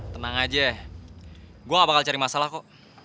tenang aja gue gak bakal cari masalah kok